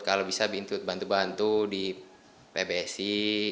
kalau bisa bantu bantu di pbsi